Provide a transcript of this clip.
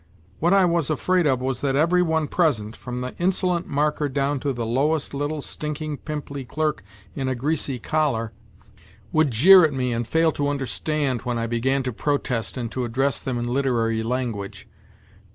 What I was afraid of was that every one present, from the insolent marker down to the lowest 88 NOTES FROM UNDERGROUOT little stinking, pimply clerk in a greasy collar, would jeer at me and fail to understand when I began to protest and to address them in literary language.